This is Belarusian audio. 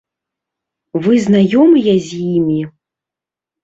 Вы знаёмыя з імі?